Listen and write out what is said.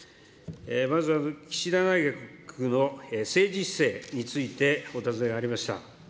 まずは、岸田内閣の政治姿勢について、お尋ねがありました。